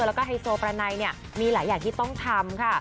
แล้วก็ไฮโซประไนเนี่ยมีหลายอย่างที่ต้องทำค่ะ